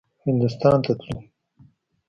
هندوستان ته تلو.